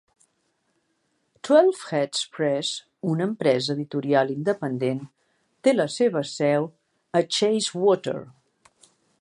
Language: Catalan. Twelveheads Press, una empresa editorial independent, té la seva seu a Chacewater.